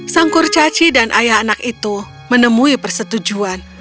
sang kurcaci dan ayah anak itu menemui persetujuan